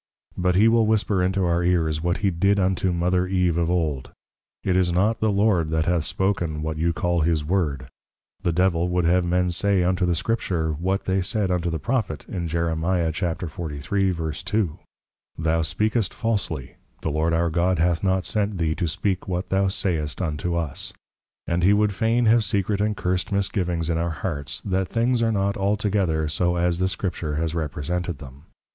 _ But he will whisper into our Ears, what he did unto our Mother Eve of old, It is not the Lord that hath spoken what you call his Word. The Devil would have men say unto the Scripture, what they said unto the Prophet, in Jer. 43.2. Thou speakest falsely; the Lord our God hath not sent thee to speak what thou sayst unto us; & he would fain have secret & cursed Misgivings in our hearts, _that things are not altogether so as the Scripture has represented them.